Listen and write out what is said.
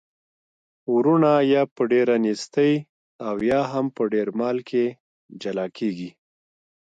وروڼه یا په ډیره نیستۍ او یا هم په ډیر مال کي جلا کیږي.